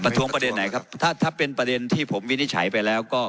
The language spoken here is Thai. ทวงประเด็นไหนครับถ้าถ้าเป็นประเด็นที่ผมวินิจฉัยไปแล้วก็